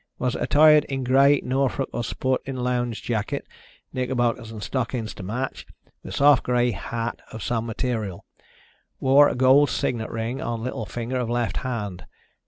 Was attired in grey Norfolk or sporting lounge jacket, knickerbockers and stockings to match, with soft grey hat of same material. Wore a gold signet ring on little finger of left hand.